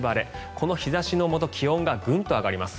この日差しのもと気温がグンと上がります。